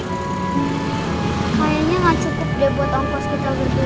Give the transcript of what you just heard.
kayaknya nggak cukup deh buat angkot kita berdua